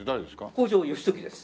北条義時です。